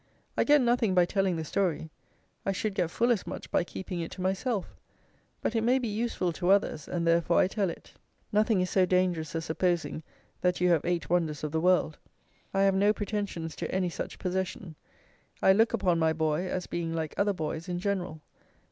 I get nothing by telling the story. I should get full as much by keeping it to myself; but it may be useful to others, and therefore I tell it. Nothing is so dangerous as supposing that you have eight wonders of the world. I have no pretensions to any such possession. I look upon my boy as being like other boys in general.